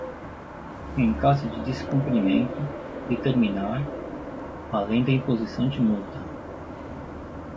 em caso de descumprimento, determinar, além da imposição de multa